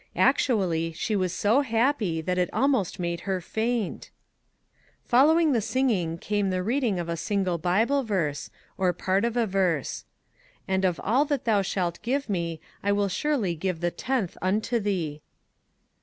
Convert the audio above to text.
Actually, she was so happy that it almost made her faint ! Following the singing came the reading of a single Bible verse, or part of a verse :" And of all that thou shalt give me I will surely give the tenth unto thee."